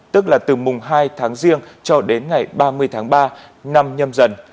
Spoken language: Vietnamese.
tức là từ mùng hai tháng riêng cho đến ngày ba mươi tháng ba năm nhâm dần